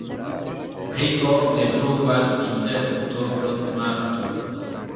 Pli ofte pluvas inter oktobro-marto.